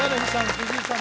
藤井さん